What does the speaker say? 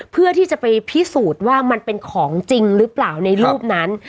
เพื่อที่จะไปพิสูจน์ว่ามันเป็นของจริงหรือเปล่าในรูปนั้น